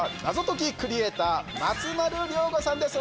クリエイター松丸亮吾さんです。